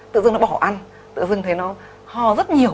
tự dưng nó bỏ ăn tự dưng thấy nó hò rất nhiều